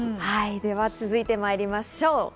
では続いてまいりましょう。